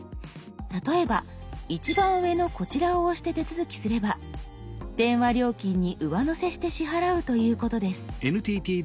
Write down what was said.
例えば一番上のこちらを押して手続きすれば電話料金に上乗せして支払うということです。